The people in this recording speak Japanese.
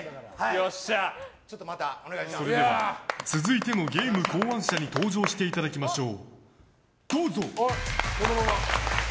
それでは続いてのゲーム考案者に登場していただきましょう。